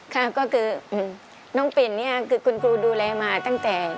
ค่ะก็คือน้องปิ่นเนี่ยคือคุณครูดูแลมาตั้งแต่